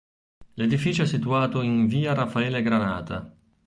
L’edificio è situato in “via Raffaele Granata“.